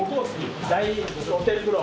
大露天風呂。